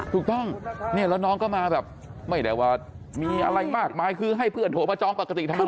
ถูกต้องเนี่ยแล้วน้องก็มาแบบไม่ได้ว่ามีอะไรมากมายคือให้เพื่อนโทรมาจองปกติทำไม